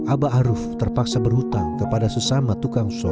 abah aruf terpaksa berhutang kepada sesama tukang sol